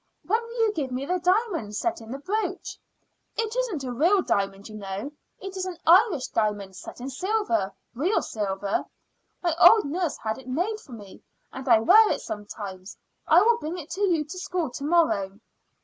"When will you give me the diamond set in the brooch?" "It isn't a real diamond, you know. It is an Irish diamond set in silver real silver. My old nurse had it made for me, and I wear it sometimes. I will bring it to you to school to morrow."